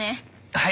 はい。